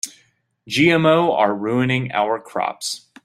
GMO are ruining our crops.